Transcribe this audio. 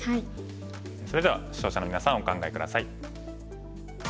それでは視聴者のみなさんお考え下さい。